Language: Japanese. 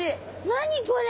何これ！？